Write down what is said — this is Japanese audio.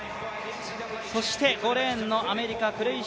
そして、５レーンのアメリカの選手。